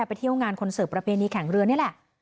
ไปเที่ยวงานคอนเสิร์ตประเพณีแข่งเรือนี่แหละ